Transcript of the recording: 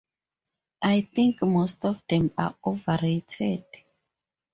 I think most of them are overrated.